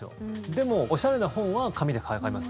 でも、おしゃれな本は紙で買い替えます。